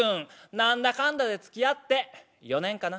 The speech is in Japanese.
何だかんだでつきあって４年かな？」。